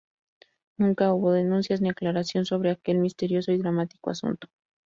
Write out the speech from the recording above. Nunca hubo denuncias ni aclaración sobre aquel misterioso y dramático asunto.